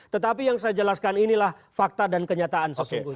tetapi yang saya jelaskan inilah fakta dan kenyataan sesungguhnya